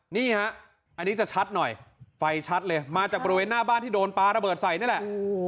นี่ฮะอันนี้จะชัดหน่อยไฟชัดเลยมาจากบริเวณหน้าบ้านที่โดนปลาระเบิดใส่นี่แหละ